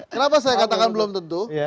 kenapa saya katakan belum tentu